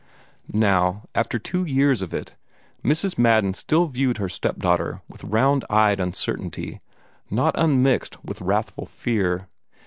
Now, after two years of it, Mrs. Madden still viewed her step daughter with round eyed uncertainty, not unmixed with wrathful fear.